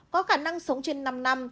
có khả năng sống trên năm năm